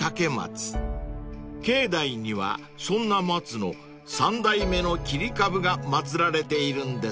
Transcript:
［境内にはそんな松の３代目の切り株が祭られているんですって］